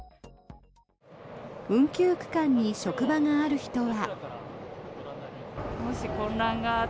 運休区間に職場がある人は。